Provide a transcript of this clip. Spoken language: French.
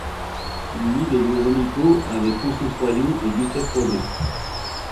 Il lie des liens amicaux avec Constant Troyon et Gustave Courbet.